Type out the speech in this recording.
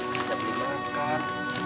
bisa beli makan